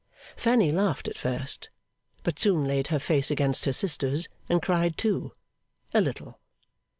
Fanny laughed at first; but soon laid her face against her sister's and cried too a little.